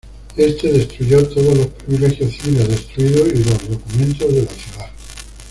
Éste destruyó todos los privilegios civiles destruidos y los documentos de la ciudad.